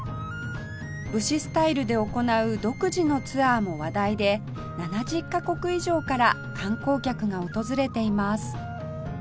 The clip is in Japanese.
武士スタイルで行う独自のツアーも話題で７０カ国以上から観光客が訪れています